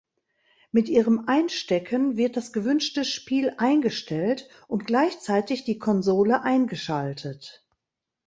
Mit ihrem Einstecken wird das gewünschte Spiel eingestellt und gleichzeitig die Konsole eingeschaltet.